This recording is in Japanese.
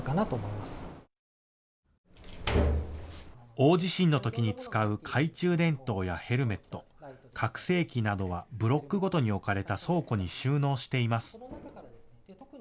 大地震のときに使う懐中電灯やヘルメット、拡声機などはブロックごとに置かれた倉庫に収納しています。